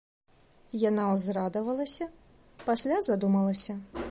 Яна ўзрадавалася, пасля задумалася.